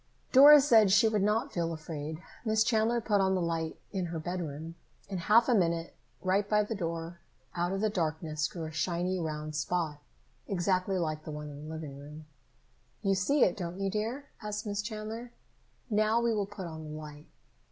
Dora said she would not feel afraid. Miss Chandler put out the light in her bedroom. In half a minute, right by the door, out of the darkness grew a shiny round spot, exactly like the one in the living room. "You see it, don't you, dear?" asked Miss Chandler. "Now, we will put on the light."